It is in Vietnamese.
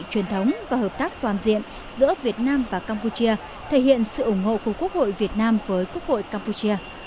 truyền thống và hợp tác toàn diện giữa việt nam và campuchia thể hiện sự ủng hộ của quốc hội việt nam với quốc hội campuchia